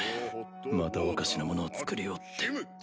またおかしなものを作りおって